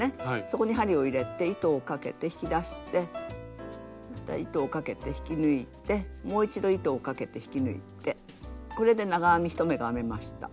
そこに針を入れて糸をかけて引き出してまた糸をかけて引き抜いてもう一度糸をかけて引き抜いてこれで長編み１目が編めました。